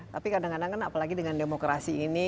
tapi kadang kadang kan apalagi dengan demokrasi ini